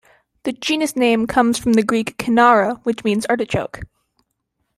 The genus name comes from the Greek "kynara", which means "artichoke".